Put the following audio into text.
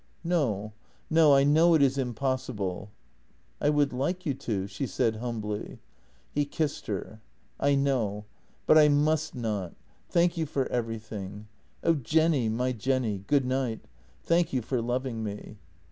"No, no; I know it is impossible." " I would like you to," she said humbly. He kissed her: " I know. But I must not. Thank you for everything. Oh, Jenny, my Jenny! Good night! Thank you for loving me!"